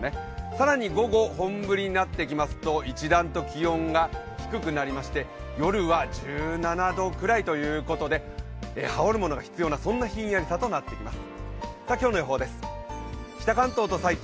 更に午後、本降りになってきますと一段と気温が低くなりまして夜は１７度ぐらいということで羽織るものが必要なひんやりさとなってきます。